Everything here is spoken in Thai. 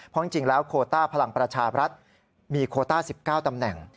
เพราะจริงแล้วโคต้าพลังประชาบรัฐมีโคต้า๑๙ตำแหน่ง